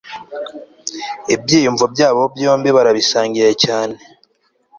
ibyiyumvo byabo byombi barabisangiye cyane